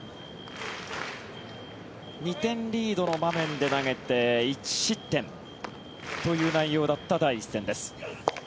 ２点リードの場面で投げて１失点という内容だった第１戦です。